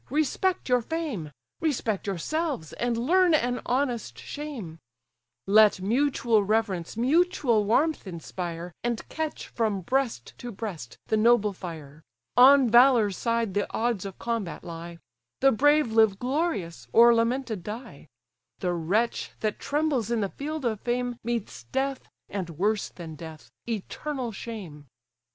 respect your fame, Respect yourselves, and learn an honest shame: Let mutual reverence mutual warmth inspire, And catch from breast to breast the noble fire, On valour's side the odds of combat lie; The brave live glorious, or lamented die; The wretch that trembles in the field of fame, Meets death, and worse than death, eternal shame."